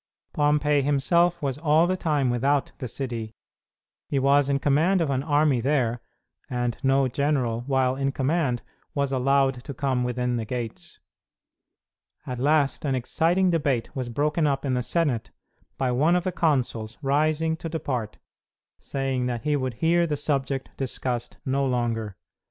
Pompey himself was all the time without the city. He was in command of an army there, and no general, while in command, was allowed to come within the gates. At last an exciting debate was broken up in the Senate by one of the consuls rising to depart, saying that he would hear the subject discussed no longer.